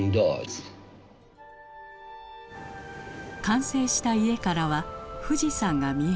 完成した家からは富士山が見えました。